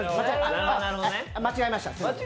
あ、間違いました。